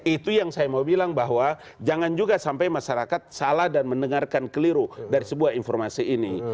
itu yang saya mau bilang bahwa jangan juga sampai masyarakat salah dan mendengarkan keliru dari sebuah informasi ini